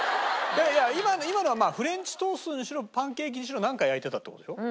今のはフレンチトーストにしろパンケーキにしろなんか焼いてたって事でしょ？